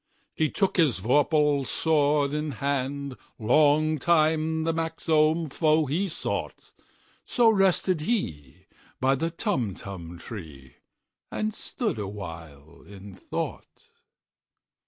He took his vorpal sword in hand:Long time the manxome foe he sought—So rested he by the Tumtum tree, And stood awhile in thought.